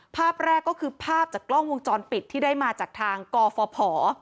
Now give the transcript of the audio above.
ภาพแรกก็คือภาพจากกล้องวงจรปิดที่ได้มาจากทางกฟภ